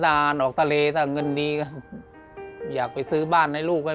และกับผู้จัดการที่เขาเป็นดูเรียนหนังสือ